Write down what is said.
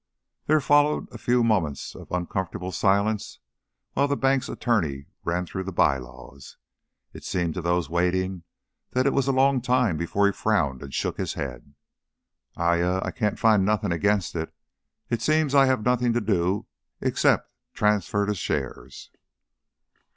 There followed a few moments of uncomfortable silence while the bank's attorney ran through the by laws. It seemed to those waiting that it was a long time before he frowned and shook his head. "I ah I can find nothing against it. It seems I have nothing to do except transfer the shares."